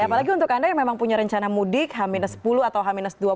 apalagi untuk anda yang memang punya rencana mudik h sepuluh atau h dua belas